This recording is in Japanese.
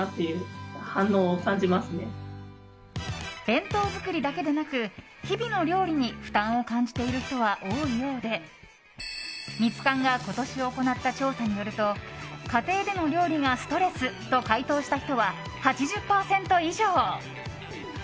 弁当作りだけでなく日々の料理に負担を感じている人は多いようでミツカンが今年行った調査によると家庭での料理がストレスと回答した人は８０％以上。